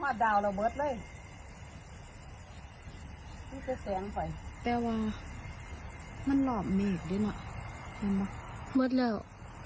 หาดาวแหละเบิ๊ดเลย